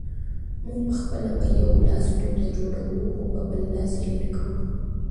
موږ پخپله په یو لاس ستونزه جوړوو، خو په بل لاس یې لیري کوو